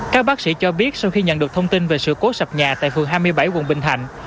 các bác sĩ cho biết sau khi nhận được thông tin về sự cố sập nhà tại phường hai mươi bảy quận bình thạnh